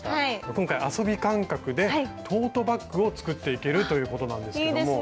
今回遊び感覚でトートバッグを作っていけるということなんですけども。